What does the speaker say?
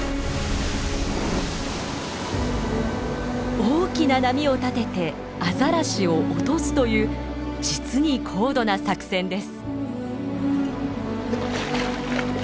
大きな波を立ててアザラシを落とすという実に高度な作戦です。